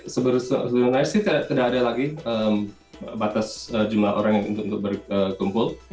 sebenarnya sih tidak ada lagi batas jumlah orang untuk berkumpul